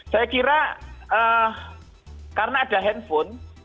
saya kira karena ada handphone